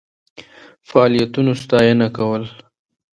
فعالیتونو ستاینه کول.